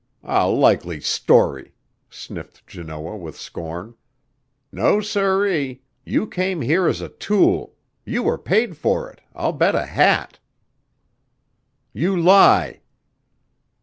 "A likely story!" sniffed Janoah with scorn. "No siree! You came here as a tool you were paid for it, I'll bet a hat!" "You lie."